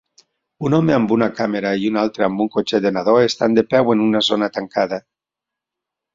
Un home amb una càmera i un altre amb un cotxet de nadó estan de peu en una zona tancada